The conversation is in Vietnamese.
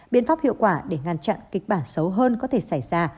biện pháp hiệu quả để ngăn chặn kịch bản xấu hơn có thể xảy ra